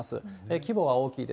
規模は大きいです。